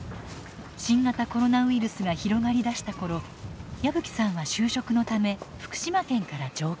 新型コロナウイルスが広がり出した頃矢吹さんは就職のため福島県から上京。